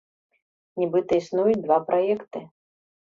Нібыта, існуюць два праекты.